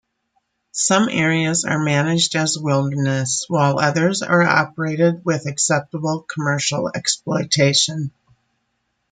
Some areas are managed as wilderness, while others are operated with acceptable commercial exploitation.